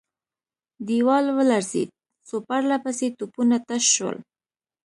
دېوال ولړزېد، څو پرله پسې توپونه تش شول.